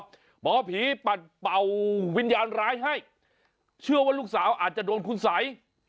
หมอผีปัดเป่าวิญญาณร้ายให้เชื่อว่าลูกสาวอาจจะโดนคุณสัย